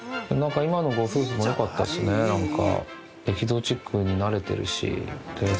・今のご夫婦もよかったですね何か。